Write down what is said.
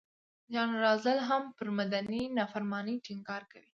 جان رالز هم پر مدني نافرمانۍ ټینګار کوي.